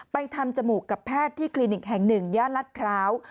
ไปทำจมูกกับแพทย์ที่คลินิกแห่งหนึ่งย่านรัฐพร้าว